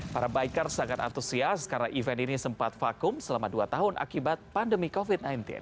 para biker sangat antusias karena event ini sempat vakum selama dua tahun akibat pandemi covid sembilan belas